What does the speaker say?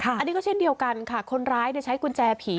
อันนี้ก็เช่นเดียวกันค่ะคนร้ายใช้กุญแจผี